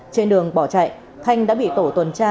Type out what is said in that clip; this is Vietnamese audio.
trên đường bỏ chạy thanh đã bị tổ tuần tra